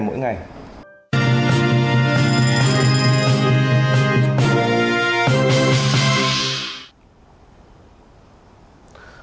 mỗi ngày à